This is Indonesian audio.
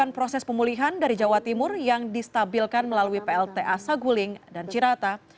delapan proses pemulihan dari jawa timur yang distabilkan melalui plta saguling dan cirata